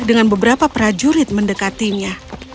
dengan beberapa prajurit mendekatinya